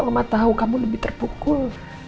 mama tahu kamu lebih terpukul